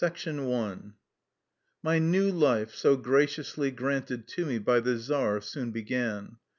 165 VII MY new life so graciously granted to me by the czar soon began.